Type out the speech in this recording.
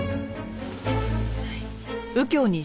はい。